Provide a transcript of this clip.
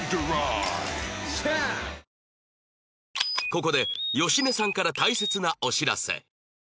ここで芳根さんから大切なお知らせ